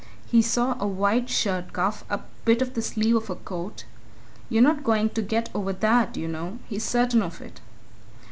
"He saw a white shirt cuff, a bit of the sleeve of a coat. You're not going to get over that, you know. He's certain of it!"